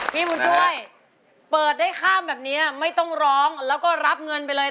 พี่บุญช่วยเปิดได้ข้ามแบบนี้ไม่ต้องร้องแล้วก็รับเงินไปเลย